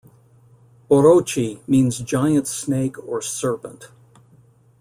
"Orochi" means "giant snake" or "serpent".